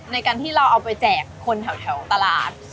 ในการที่เราเอาไปแจกคนแถวตลาด